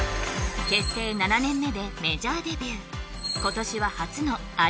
結成７年目でメジャーデビュー